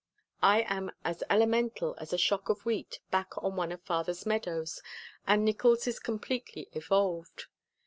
I am as elemental as a shock of wheat back on one of father's meadows and Nickols is completely evolved.